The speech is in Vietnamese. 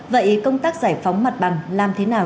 vậy công tác giải phóng mặt bằng làm thế nào